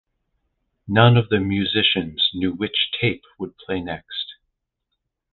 None of the musicians knew which tape would play next.